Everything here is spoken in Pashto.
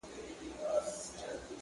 او په سترگو کې بلا اوښکي را ډنډ سوې ـ